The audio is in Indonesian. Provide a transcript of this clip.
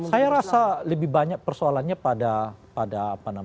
saya rasa lebih banyak persoalannya pada pak sby nya gitu